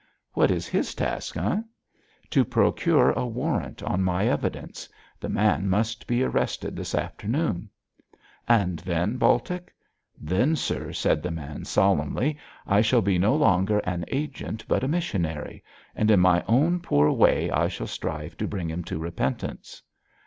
'What is his task, eh?' 'To procure a warrant on my evidence. The man must be arrested this afternoon.' 'And then, Baltic?' 'Then, sir,' said the man, solemnly, 'I shall be no longer an agent, but a missionary; and in my own poor way I shall strive to bring him to repentance.'